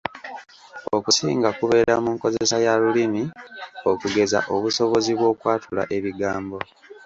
Okusinga kubeera mu nkozesa ya Lulimi okugeza obusobozi bw’okwatula ebigambo.